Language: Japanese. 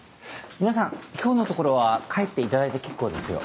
皆さん今日のところは帰っていただいて結構ですよ。